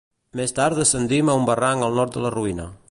Més tard descendim a un barranc al nord de la ruïna.